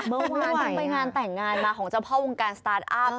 เมื่อวานเพิ่งไปงานแต่งงานมาของเจ้าพ่อวงการสตาร์ทอัพ